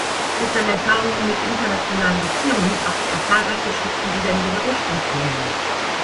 Durch seine Erfahrungen mit internationalen Beziehungen brachte er zahlreiche Schriften wieder in ihre Ursprungsländer.